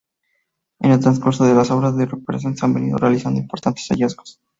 En el transcurso de las obras de recuperación se han venido realizando importantes hallazgos.